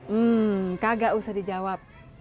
hmm kagak usah dijawab